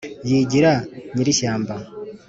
Yigira nyirishyamba